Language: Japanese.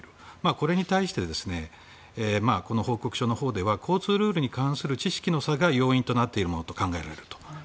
これに対してこの報告書では交通ルールに関する知識の差が要因となっていると考えられると。